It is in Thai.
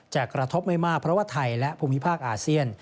กระทบไม่มากเพราะว่าไทยและภูมิภาคอาเซียน